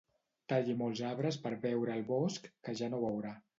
Talli molts arbres per veure el bosc que ja no veurà.